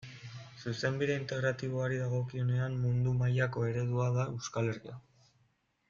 Zuzenbide Integratiboari dagokionean mundu mailako eredu da Euskal Herria.